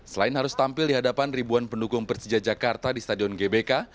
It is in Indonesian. selain harus tampil di hadapan ribuan pendukung persija jakarta di stadion gbk